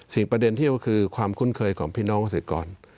ประเด็นที่ก็คือความคุ้นเคยของพี่น้องเกษตรกร